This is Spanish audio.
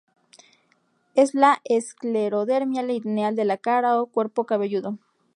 Es la esclerodermia lineal de la cara o cuerpo cabelludo.